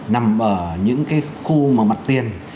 nằm ở những khu mặt tiền